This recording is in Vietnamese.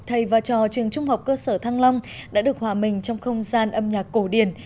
thầy và trò trường trung học cơ sở thăng long đã được hòa mình trong không gian âm nhạc cổ điển